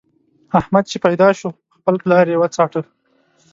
احمد چې پيدا شو؛ خپل پلار يې وڅاټه.